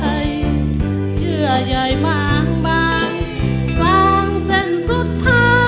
เหยื่อใหญ่บางบางเส้นสุดท้าย